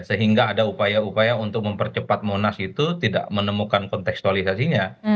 sehingga ada upaya upaya untuk mempercepat monas itu tidak menemukan konteksualisasinya